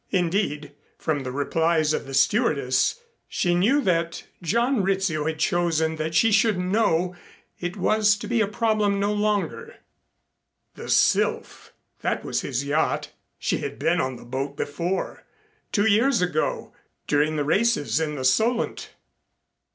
Indeed, from the replies of the stewardess she knew that John Rizzio had chosen that she should know it was to be a problem no longer. The Sylph, that was his yacht. She had been on the boat before, two years ago, during the races in the Solent.